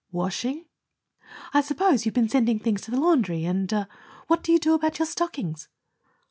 "Washing?" "I suppose you've been sending things to the laundry, and what do you do about your stockings?"